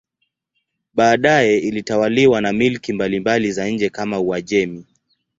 Baadaye ilitawaliwa na milki mbalimbali za nje kama Uajemi.